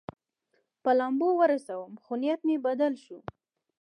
په لامبو ورسوم، خو نیت مې بدل شو.